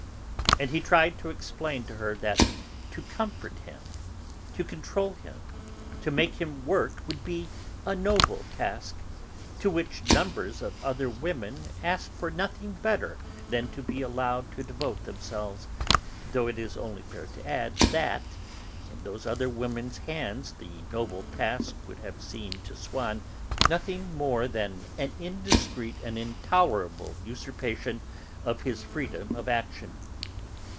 And he tried to explain to her that to comfort him, to control him, to make him work would be a noble task, to which numbers of other women asked for nothing better than to be allowed to devote themselves, though it is only fair to add that in those other women's hands the noble task would have seemed to Swann nothing more than an indiscreet and intolerable usurpation of his freedom of action.